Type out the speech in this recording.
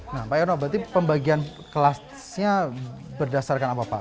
nah pak yono berarti pembagian kelasnya berdasarkan apa pak